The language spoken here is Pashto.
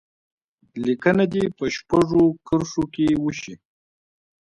لیکنه دې په شپږو کرښو کې وشي.